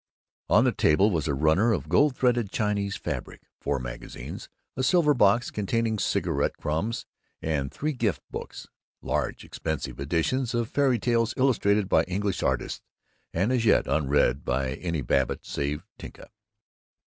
On the table was a runner of gold threaded Chinese fabric, four magazines, a silver box containing cigarette crumbs, and three "gift books" large, expensive editions of fairy tales illustrated by English artists and as yet unread by any Babbitt save Tinka.